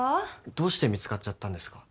どうして見つかっちゃったんですか？